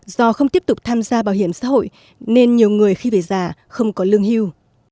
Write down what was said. do không tiếp tục tham gia bảo hiểm xã hội nên nhiều người khi về già không có lương hưu